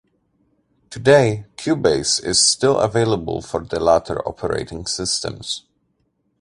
Today, Cubase is still available for the latter operating systems.